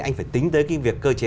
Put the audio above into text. anh phải tính tới cái việc cơ chế